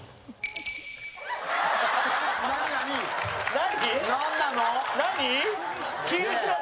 何？